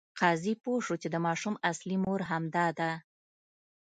قاضي پوه شو چې د ماشوم اصلي مور همدا ده.